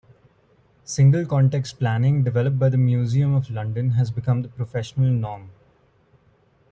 Single context planning developed by the Museum of London has become the professional norm.